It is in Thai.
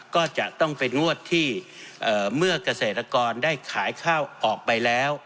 ก็จะต้องเป็นงวดที่เมื่อเกษตรกรได้ขายข้าวออกไปแล้ว